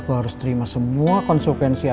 kalau begitu saya jalan dulu ya